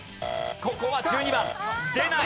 ここは１２番出ない！